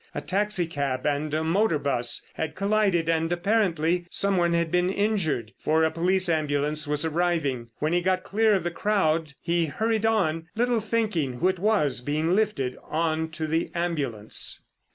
A taxi cab and a motor bus had collided, and apparently some one had been injured, for a police ambulance was arriving. When he got clear of the crowd he hurried on, little thinking who it was being lifted on to the ambulance.